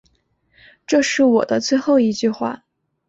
这是我的最后一句话